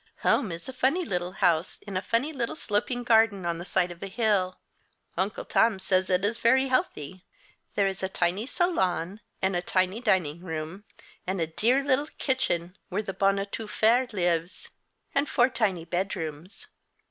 Home is a funny little house, in a funny little sloping garden on the side of a hill. Uncle Tom says it is very healthy. There is a tiny salon, and a tiny dining room, and a dear little kitchen where the bonne a tout faire lives, and four tiny bedrooms.